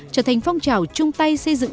trở thành phong trào chung tay xây dựng